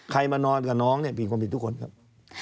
มานอนกับน้องเนี่ยผิดความผิดทุกคนครับ